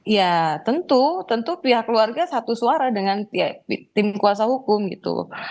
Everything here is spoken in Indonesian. ya tentu tentu pihak keluarga satu suara dengan tim kuasa hukum gitu